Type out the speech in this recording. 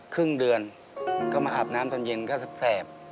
ครึ่งเดือนก็มาอาบน้ำตอนเย็นก็แสบ